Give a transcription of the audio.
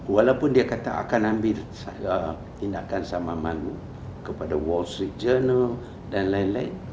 walaupun dia kata akan mengambil tindakan saman malu kepada wall street journal dan lain lain